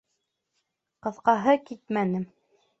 Ҡыҫкаһы, китмәне!